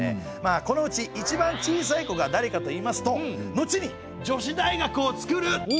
このうちいちばん小さい子がだれかといいますと後に女子大学を作る。